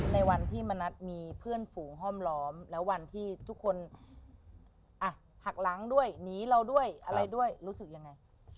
ในวันที่มณัฐมีเพื่อนฝูงห้อมล้อมแล้ววันที่ทุกคนอ่ะหักล้างด้วยหนีเราด้วยอะไรด้วยรู้สึกยังไง